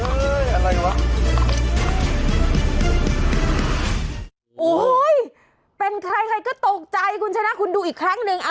โอ้โหอะไรวะเป็นใครใครก็ตกใจคุณชนะคุณดูอีกครั้งหนึ่ง